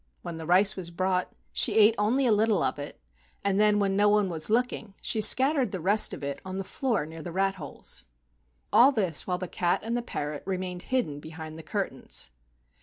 When the rice was brought she ate only a little of it, and then, when no one was looking, she scattered the rest of it on the floor near the rat holes. 56 AN EAST INDIAN STORY All this while the cat and the parrot remained hidden behind the curtains.